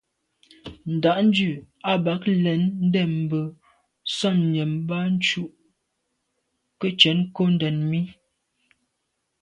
Ndǎ’ndʉ̂ a bαg len, ndɛ̂nmbə̀ sα̌m nyὰm mbὰ ncʉ̌’ kə cwɛ̌d nkondɛ̀n mi.